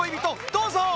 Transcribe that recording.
どうぞ！